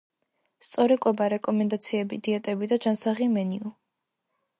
სწორი კვება: რეკომენდაციები, დიეტები და ჯანსაღი მენიუ.